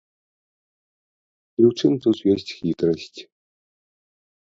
І ў чым тут ёсць хітрасць.